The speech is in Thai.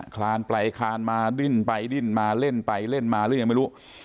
คลานไปคลานมาดิ้นไปดิ้นมาเล่นไปเล่นมาหรือยังไม่รู้